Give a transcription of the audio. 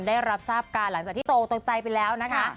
ได้รับทราบการหลังจากที่โตตกใจไปแล้วนะคะ